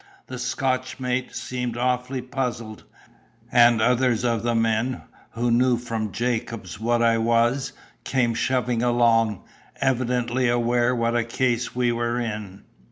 The Scotch mate seemed awfully puzzled; and others of the men, who knew from Jacobs what I was, came shoving along, evidently aware what a case we were in.